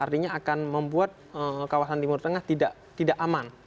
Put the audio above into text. artinya akan membuat kawasan timur tengah tidak aman